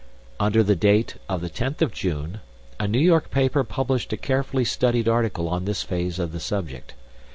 Under the date of the tenth of June, a New York paper published a carefully studied article on this phase of the subject.